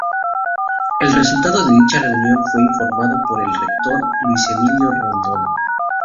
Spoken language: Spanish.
El resultado de dicha reunión fue informado por el rector Luis Emilio Rondón.